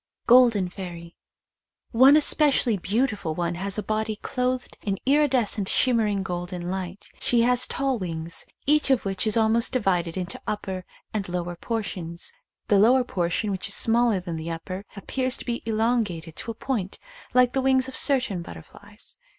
Golden Fairy. One specially beautiful one has a body clothed in iridescent shimmering golden light. She has tall wings, each of which is almost divided into upper and lower portions. The lower portion, which is small er than the upper, appears to be elongated to a point like the wings of certain butterflies.